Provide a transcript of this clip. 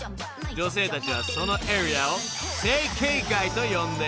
［女性たちはそのエリアを整形街と呼んでいるんです］